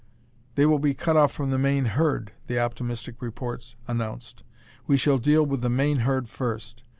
"They will be cut off from the main herd," the optimistic reports announced. "We shall deal with the main herd first.